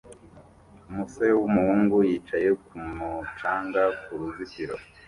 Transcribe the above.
Umusore wumuhungu yicaye kumu canga s kuruzitiro